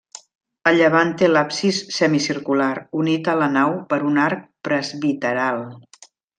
A llevant té l'absis semicircular, unit a la nau per un arc presbiteral.